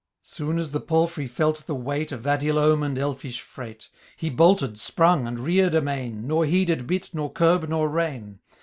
Soon as the palfrey felt the weight. Of that ai omen*d elfish freight. He bolted, sprung, and rear'd amain. Nor heeded bit, nor curb, nor rein.